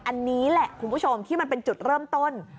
อันนี้แหละคุณผู้ชมที่มันเป็นจุดเริ่มต้น